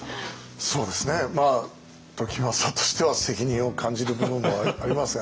そうですね時政としては責任を感じる部分もありますが。